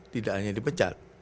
tidak hanya di pecat